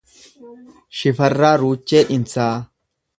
Shifarraa Ruuchee Dhinsaa